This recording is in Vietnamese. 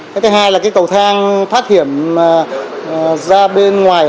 cái thứ hai là cái cầu thang thoát hiểm ra bên ngoài